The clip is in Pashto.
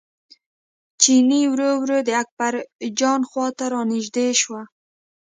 چیني ورو ورو د اکبرجان خواته را نژدې شو.